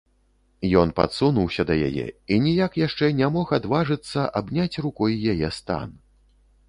Ён падсунуўся да яе і ніяк яшчэ не мог адважыцца абняць рукой яе стан.